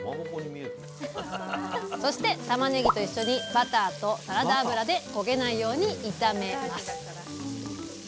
そしてたまねぎと一緒にバターとサラダ油で焦げないように炒めます。